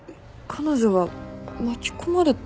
彼女は巻き込まれたの？